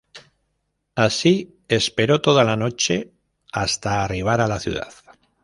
Así esperó toda la noche hasta arribar a la ciudad.